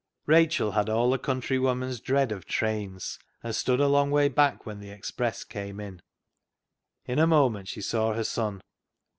Rachel had all a countrywoman's dread of trains, and stood a long way back when the express came in. In a moment she saw her son.